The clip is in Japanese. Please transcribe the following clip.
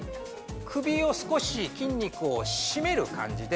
首を少し筋肉をしめる感じで。